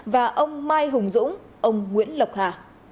và ông mai hùng dũng ông nguyễn lộc hà